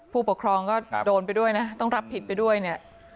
ผู้ปกครองก็โดนไปด้วยนะต้องรับผิดไปด้วยเนี่ย